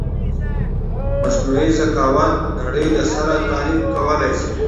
مثنوعې زکاوت نړی له سره تعریف کولای شې